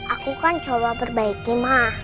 aku kan coba perbaiki mah